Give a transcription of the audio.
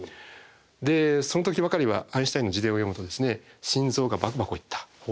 でその時ばかりはアインシュタインの自伝を読むと心臓がバクバクいった。